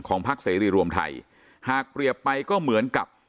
พักเสรีรวมไทยหากเปรียบไปก็เหมือนกับ